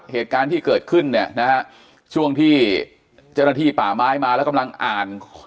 เหตุการณ์ที่เกิดขึ้นเนี่ยนะฮะช่วงที่เจ้าหน้าที่ป่าไม้มาแล้วกำลังอ่าน